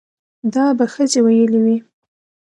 دا به ښځې ويلې وي